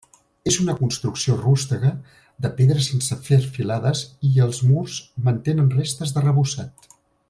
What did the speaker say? És una construcció rústega de pedres sense fer filades, i els murs mantenen restes d'arrebossat.